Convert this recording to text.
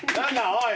おい。